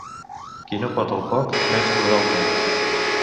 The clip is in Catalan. Qui no pot el poc, menys podrà el molt.